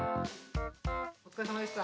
おつかれさまでした。